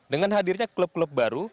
dengan hadirnya klub klub baru